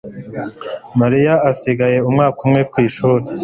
Mariya asigaye umwaka umwe mwishuri